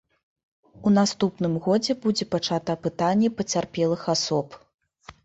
У наступным годзе будзе пачата апытанне пацярпелых асоб.